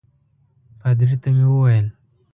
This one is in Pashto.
پادري ته مې وویل.